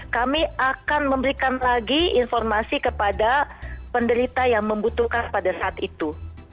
kami akan memberikan lagi informasi kepada penderita yang membutuhkan pada saat itu